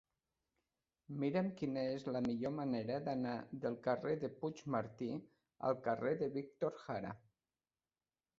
Mira'm quina és la millor manera d'anar del carrer de Puigmartí al carrer de Víctor Jara.